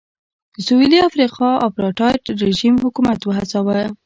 د سوېلي افریقا اپارټایډ رژیم حکومت وهڅاوه.